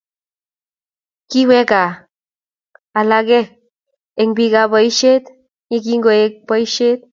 Kiwek kaa alake eng bikkap boisiet ye kingobek boisiet.